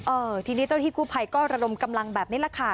เออทีนี้เจ้าที่กู้ภัยก็ระดมกำลังแบบนี้แหละค่ะ